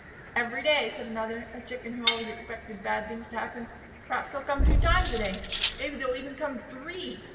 "Every day," said another, a Chicken who always expected bad things to happen. "Perhaps they will come two times a day! Maybe they'll even come three!"